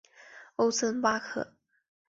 欧森巴克。